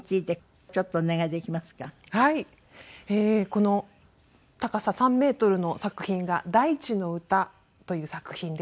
この高さ３メートルの作品が『大地のうた』という作品です。